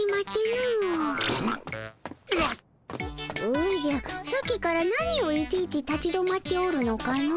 おじゃさっきから何をいちいち立ち止まっておるのかの？